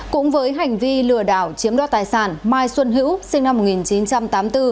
cũng với hành vi lừa đảo chiếm đo tài sản mai xuân hữu sinh năm một nghìn chín trăm tám mươi bốn